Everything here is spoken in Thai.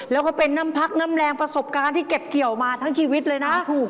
แล้วก็เป็นน้ำพักน้ำแรงประสบการณ์ที่เก็บเกี่ยวมาทั้งชีวิตเลยนะถูก